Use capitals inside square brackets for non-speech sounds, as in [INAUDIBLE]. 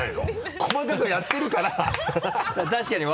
細かくやってるから [LAUGHS]